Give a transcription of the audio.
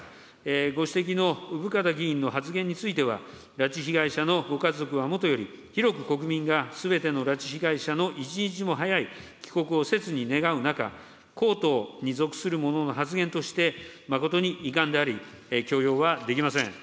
ご指摘の生方議員の発言については、拉致被害者のご家族はもとより、広く国民がすべての拉致被害者の一日も早い帰国をせつに願う中、公党に属する者の発言として、誠に遺憾であり、許容はできません。